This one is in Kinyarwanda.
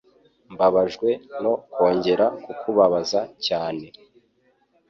Mbabajwe no kongera kukubabaza cyane.